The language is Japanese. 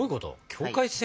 境界線？